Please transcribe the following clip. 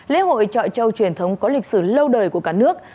lễ hội chọi châu truyền thống có lịch sử lâu đời của cả nước